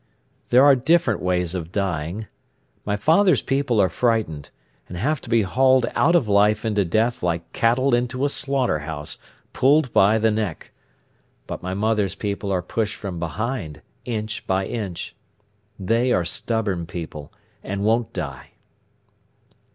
"There are different ways of dying. My father's people are frightened, and have to be hauled out of life into death like cattle into a slaughter house, pulled by the neck; but my mother's people are pushed from behind, inch by inch. They are stubborn people, and won't die."